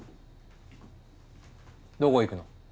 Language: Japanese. どこ行くの？